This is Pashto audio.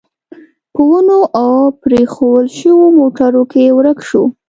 په ونو او پرېښوول شوو موټرو کې ورک شو.